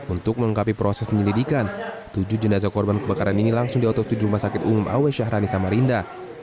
untuk mengengkapi proses penyelidikan tujuh jenazah korban kebakaran ini langsung diotot ke rumah sakit umum aw syahrani samarinda